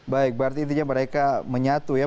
baik berarti intinya mereka menyatu ya